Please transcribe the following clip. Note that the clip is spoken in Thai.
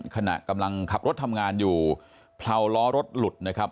ขณะกำลังขับรถทำงานอยู่เผลาล้อรถหลุดนะครับ